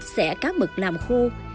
xẻ cá mực làm khô